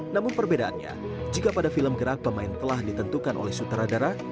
namun perbedaannya jika pada film gerak pemain telah ditentukan oleh sutradara